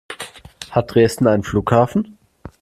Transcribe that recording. Hat Dresden einen Flughafen?